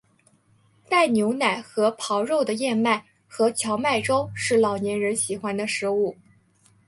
带牛奶和狍肉的燕麦和荞麦粥是老年人喜欢的食物。